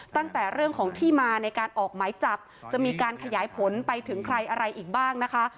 ตั้งแต่เรื่องของที่มาในการออกหมายจับจะมีการขยายผลไปถึงใครอะไรอีกบ้างนะคะ